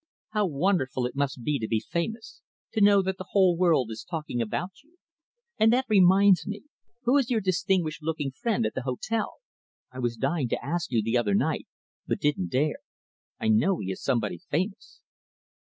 How wonderful it must be to be famous to know that the whole world is talking about you! And that reminds me who is your distinguished looking friend at the hotel? I was dying to ask you, the other night, but didn't dare. I know he is somebody famous."